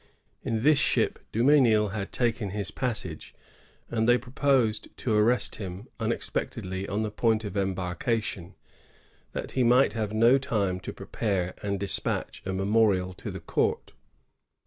In this ship Dumesnil had taken his passage, and they proposed to arrest him unexpectedly on the point of embarkation, that he might have no time to prepare and despatch a memorial to the court.